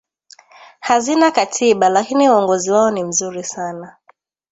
hazina katiba lakini uongozi wao ni mzuri sana